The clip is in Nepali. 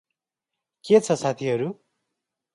के छ साथीहरु?